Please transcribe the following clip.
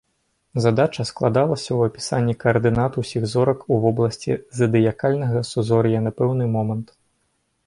Задача складалася ў апісанні каардынат ўсіх зорак у вобласці задыякальнага сузор'я на пэўны момант.